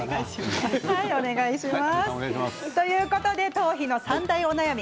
頭皮の三大お悩み